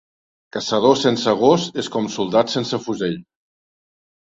Caçador sense gos és com soldat sense fusell.